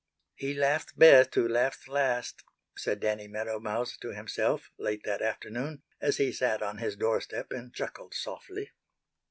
"He laughs best who laughs last," said Danny Meadow Mouse to himself, late that afternoon, as he sat on his doorstep and chuckled softly.